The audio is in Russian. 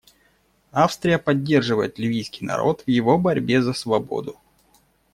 Австрия поддерживает ливийский народ в его борьбе за свободу.